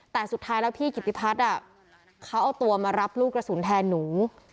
แต่สุดท้ายแล้วพี่กิติพัฒน์เขาเอาตัวมารับลูกกระสุนแทนหนู